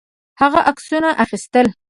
هغه عکسونه اخیستل.